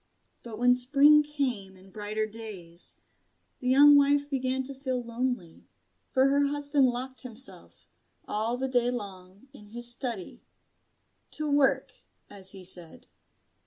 But when spring came and brighter days, the young wife began to feel lonely; for her husband locked himself, all the day long, in his study to work, as he said.